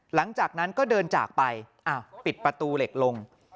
หลังจากนั้นก็เดินจากไปปิดประตูเหล็กลง